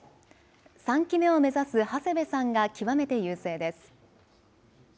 ３期目を目指す長谷部さんが極めて優勢です。